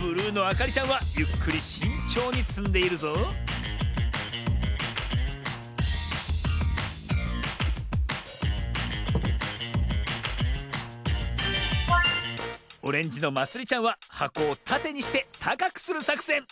ブルーのあかりちゃんはゆっくりしんちょうにつんでいるぞオレンジのまつりちゃんははこをたてにしてたかくするさくせん。